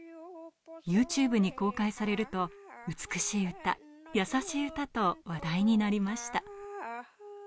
ＹｏｕＴｕｂｅに公開されると美しい歌、優しい歌と話題になりました。